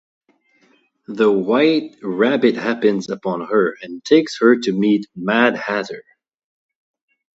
The White Rabbit happens upon her and takes her to meet the Mad Hatter.